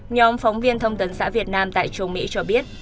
nhóm phóng viên thông tấn xã việt nam tại châu mỹ cho biết